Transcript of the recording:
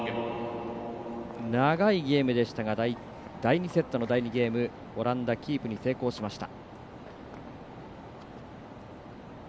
長いゲームでしたが第２セットの第２ゲームオランダ、キープに成功しました。